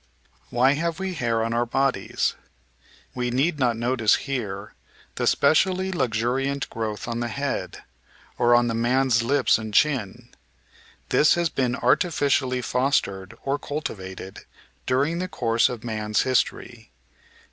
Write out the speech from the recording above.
Why have we hair on our bodies? We need not notice here the specially luxuriant growth on the head, or on the man's lips and chin. This has been artificially fostered or cultivated during the course of man's history.